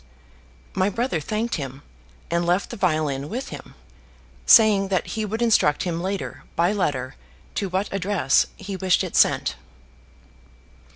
My brother thanked him and left the violin with him, saying that he would instruct him later by letter to what address he wished it sent.